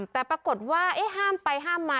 แต่ปรากฏว่าห้ามไปห้ามมา